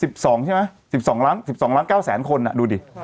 สองใช่ไหมสิบสองล้านสิบสองล้านเก้าแสนคนอ่ะดูดิ